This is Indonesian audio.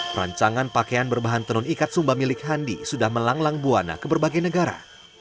perancangan pakaian berbahan tenun ikat sumba milik handi sudah melanglang buana ke berbagai negara